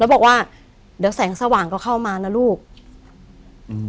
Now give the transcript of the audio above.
แล้วบอกว่าเดี๋ยวแสงสว่างก็เข้ามานะลูกอืม